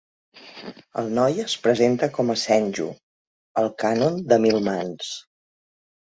El noi es presenta com a Senju, el Kannon de mil mans.